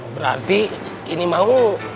berarti ini mau